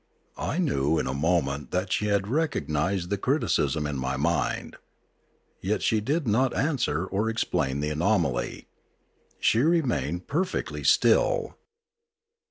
I knew in a moment that she had recog nised' the criticism in my mind. Yet she did not an swer or explain the anomaly. She remained perfectly still.